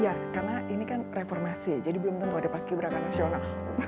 iya karena ini kan reformasi jadi belum tentu ada paski beraka nasional